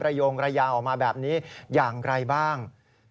โยงระยางออกมาแบบนี้อย่างไรบ้าง